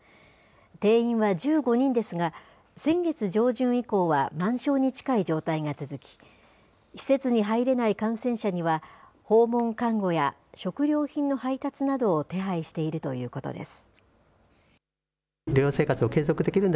定員は１５人ですが、先月上旬以降は満床に近い状態が続き、施設に入れない感染者には、訪問看護や食料品の配達などを手配しているということです。